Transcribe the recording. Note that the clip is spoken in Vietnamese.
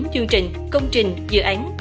chương trình công trình dự án